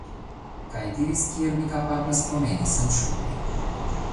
Kaj diris kiel mi kapablas promeni sen ŝuoj